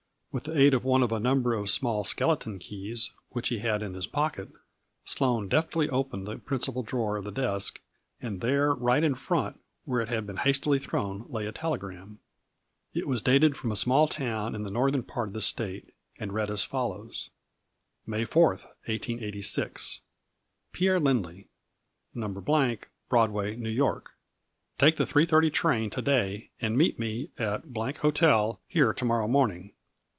With the aid of one of a num ber of small skeleton keys, which he had in his pocket, Sloane deftly opened the principal drawer of the desk and there, right in front, where it had been hastily thrown, lay a telegram. It was dated from a small town in the northern part of the State, and read as follows :— May 4th, 1886. Pierre Lindley, No Broadway, N. Y. Take the three thirty (3 130) train to day and meet me at — Hotel here to morrow morning.